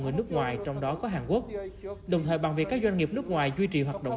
người nước ngoài trong đó có hàn quốc đồng thời bằng việc các doanh nghiệp nước ngoài duy trì hoạt động